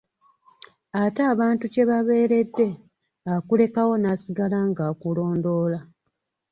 Ate abantu kye babeeredde akulekawo n'asigala ng'akulondoola.